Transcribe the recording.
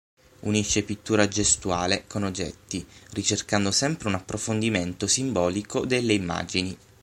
Unisce pittura gestuale con oggetti, ricercando sempre un approfondimento simbolico delle immagini.